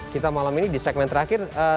kita malam ini di segmen terakhir